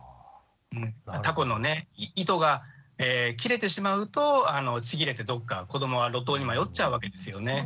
たこの糸が切れてしまうとちぎれてどっか子どもは路頭に迷っちゃうわけですよね。